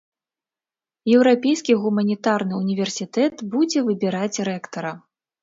Еўрапейскі гуманітарны ўніверсітэт будзе выбіраць рэктара.